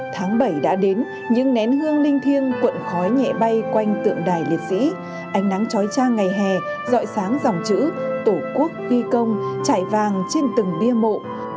tháng bảy đã đến những nén hương linh thiêng cuộn khói nhẹ bay quanh tượng đài liệt sĩ ánh nắng trói cha ngày hè dọi sáng dòng chữ tổ quốc ghi công trải vàng trên từng bia mộ